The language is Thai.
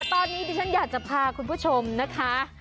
ตอนนี้ดิฉันอยากจะพาคุณผู้ชมนะคะ